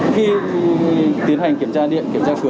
khi tiến hành kiểm tra điện kiểm tra cửa